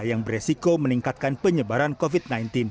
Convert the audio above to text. yang beresiko meningkatkan penyebaran covid sembilan belas